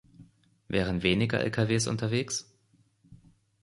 Wären weniger Lkws unterwegs?